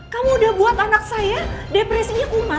kamu udah buat anak saya depresinya umat